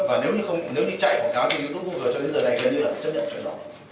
và nếu như chạy bảng cáo trên youtube và google cho đến giờ này thì gần như là chấp nhận phải rõ